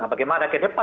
nah bagaimana ke depan